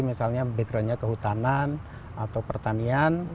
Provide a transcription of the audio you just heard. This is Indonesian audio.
misalnya backgroundnya kehutanan atau pertanian